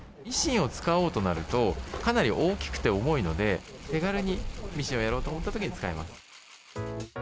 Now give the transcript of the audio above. ミシンを使おうとなると、かなり大きくて重いので、手軽に、ミシンをやろうと思ったときに使えます。